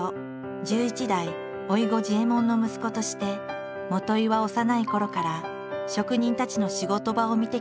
１１代老子次右衛門の息子として元井は幼いころから職人たちの仕事場を見てきたという。